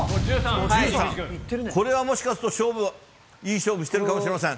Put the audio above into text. これはもしかすると、いい勝負しているかもしれません。